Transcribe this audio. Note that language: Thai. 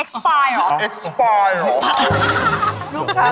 เอ็กซ์ปายเหรอฮ่าเอ็กซ์ปายเหรอ